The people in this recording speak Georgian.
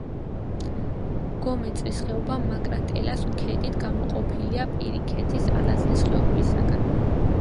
გომეწრის ხეობა მაკრატელას ქედით გამოყოფილია პირიქითის ალაზნის ხეობისაგან.